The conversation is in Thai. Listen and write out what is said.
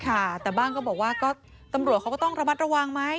ค่ะแต่บ้างก็บอกว่าก็ตำรวจเขาก็ต้องระมัดระวังไหม